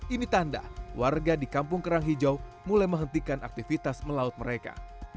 ini tanda warga di kampung kerang hijau mulai menghentikan aktivitas melaut mereka